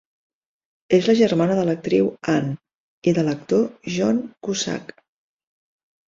És la germana de l'actriu Ann i de l'actor John Cusack.